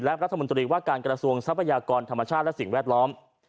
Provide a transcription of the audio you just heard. และรัฐมนตรีว่าการกระทรวงทรัพยากรธรรมชาติและสิ่งแวดล้อม